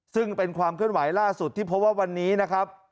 ซึ่งเป็นความเคลื่อนไหวล่าสุดที่พบว่าวันนี้นะครับ